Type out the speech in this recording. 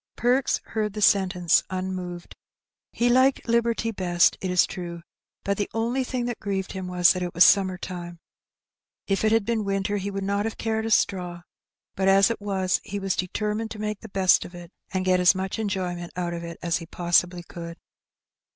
Perks heard the sentence unmoved. He liked liberty best, it is true, but the only thing that grieved him was that it was summer time. If it had been winter, he would not have cared a straw; but as it was he was deter mined to make the best of it, and get as much enjoyment out of it as he possibly could.